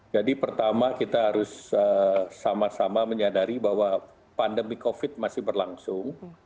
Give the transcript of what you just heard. jadi pertama kita harus sama sama menyadari bahwa pandemi covid masih berlangsung